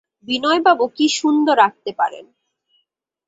বিনয়বাবু কী সুন্দর আঁকতে পারেন!